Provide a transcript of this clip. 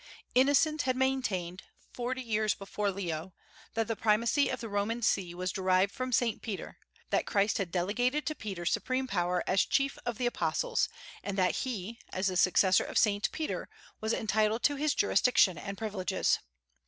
Innocent had maintained, forty years before Leo, that the primacy of the Roman See was derived from Saint Peter, that Christ had delegated to Peter supreme power as chief of the apostles; and that he, as the successor of Saint Peter, was entitled to his jurisdiction and privileges.